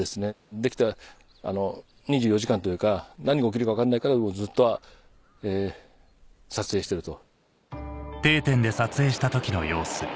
できたら２４時間というか何が起きるか分かんないからもうずっと撮影してると。